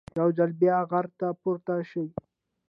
یو ځل بیا غره ته پورته شي.